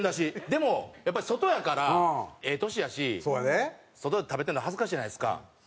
でもやっぱり外やからええ年やし外で食べてるの恥ずかしいじゃないですか。